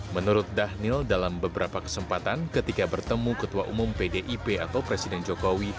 menurut dhanil dalam beberapa kesempatan ketika bertemu ketua umum pdip atau presiden jokowi